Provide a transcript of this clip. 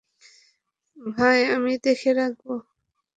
ভাই, আমি দেখে রাখব।